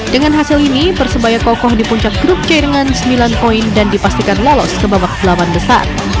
dengan hasil ini persebaya kokoh di puncak grup c dengan sembilan poin dan dipastikan lolos ke babak delapan besar